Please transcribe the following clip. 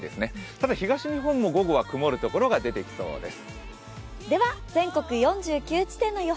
ただ、東日本も午後は曇るところが出てきそうです。